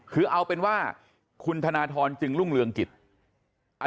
คือเอาเป็นว่าคุณธนทรจึงรุ่งเรืองกิจ